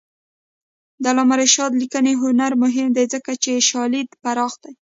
د علامه رشاد لیکنی هنر مهم دی ځکه چې شالید پراخ دی.